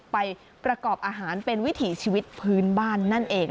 ไปประกอบอาหารเป็นวิถีชีวิตพื้นบ้านนั่นเอง